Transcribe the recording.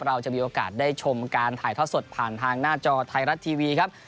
เราจะมีโอกาสได้ชมการถ่ายทอดสดผ่านทางหน้าจอไทยรัฐทีวีครับ